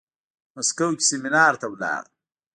مسکو کې سيمينار ته لاړم.